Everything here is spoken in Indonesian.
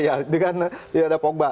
ya dengan tidak ada pogba